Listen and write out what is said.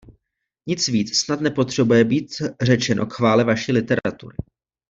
Nic víc snad nepotřebuje být řečeno k chvále vaší literatury.